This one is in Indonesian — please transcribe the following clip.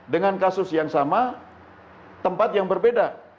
dengan kasus yang sama tempat yang berbeda